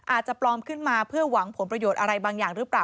อาจจะปลอมขึ้นมาเพื่อหวังผลประโยชน์อะไรบางอย่างหรือเปล่า